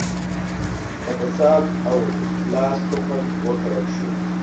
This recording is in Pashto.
د فساد او اختلاس تخم وکرل شو.